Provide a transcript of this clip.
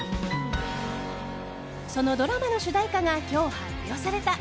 そのドラマの主題歌が今日発表された。